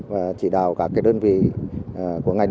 và chỉ đạo các đơn vị của ngành nông nghiệp